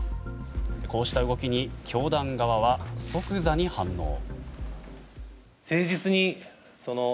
こうした動きに教団側は、即座に反応。